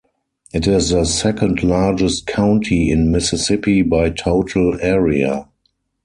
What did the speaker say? It is the second-largest county in Mississippi by total area.